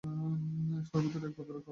শরতের এক পত্র কাল পেয়েছি।